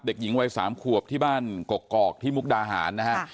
เด็กหญิงวัย๓ขวบที่บ้านกกอกที่มุกดาหารนะฮะ